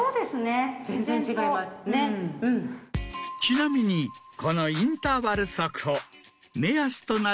ちなみにこのインターバル速歩。